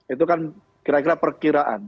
itu kan kira kira perkiraan